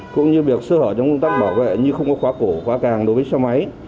cũng như việc sơ hở trong công tác bảo vệ như không có khóa cổ khóa càng đối với xe máy